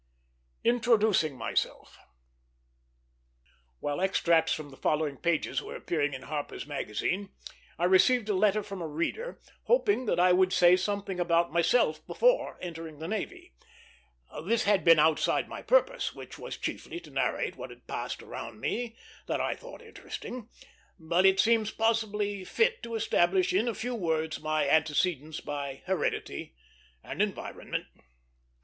INTRODUCING MYSELF While extracts from the following pages were appearing in Harper's Magazine, I received a letter from a reader hoping that I would say something about myself before entering the navy. This had been outside my purpose, which was chiefly to narrate what had passed around me that I thought interesting; but it seems possibly fit to establish in a few words my antecedents by heredity and environment.